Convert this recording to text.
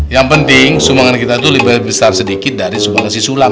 yang penting sumbangan kita itu lebih besar sedikit dari sumbangan si sulam